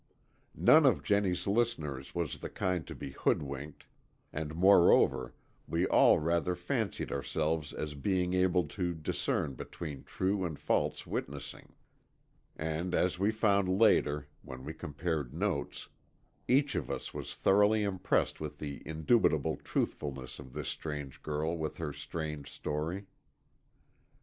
None of Jennie's listeners was the kind to be hoodwinked, and moreover we all rather fancied ourselves as being able to discern between true and false witnessing. And as we found later, when we compared notes, each of us was thoroughly impressed with the indubitable truthfulness of this strange girl with her strange story.